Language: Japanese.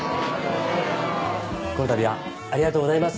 このたびはありがとうございます。